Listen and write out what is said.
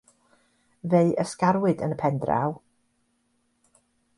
Fe'u ysgarwyd yn y pen draw.